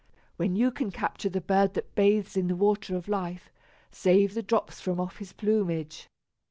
"When you can capture the bird that bathes in the water of life, save the drops from off his plumage."